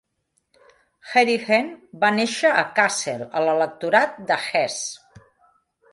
Heeringen va néixer a Kassel, a l'Electorat de Hesse.